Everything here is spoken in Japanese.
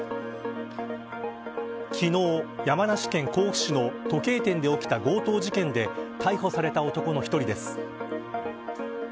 昨日、山梨県甲府市の時計店で起きた強盗事件で逮捕された男の１人です。